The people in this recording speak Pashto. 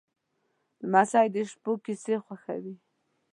لمسی د شپو کیسې خوښوي.